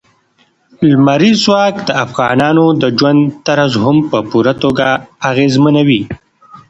لمریز ځواک د افغانانو د ژوند طرز هم په پوره توګه اغېزمنوي.